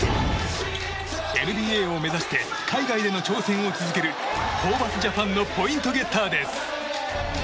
ＮＢＡを目指して海外での挑戦を続けるホーバスジャパンのポイントゲッターです。